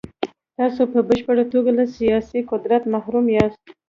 تاسو په بشپړه توګه له سیاسي قدرت محروم یاست.